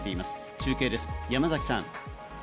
中継です、山崎さん。